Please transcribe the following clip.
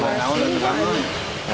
ada virus atau tidak